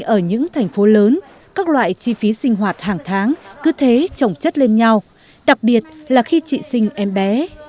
ở những thành phố lớn các loại chi phí sinh hoạt hàng tháng cứ thế trồng chất lên nhau đặc biệt là khi chị sinh em bé